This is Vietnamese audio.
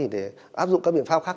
để áp dụng các biện pháp khác